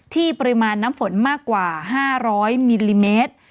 ปริมาณน้ำฝนมากกว่า๕๐๐มิลลิเมตร